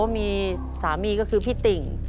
มีสามีก็คือพี่ติ่ง